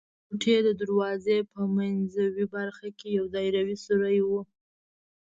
د کوټې د دروازې په منځوۍ برخه کې یو دایروي سوری و.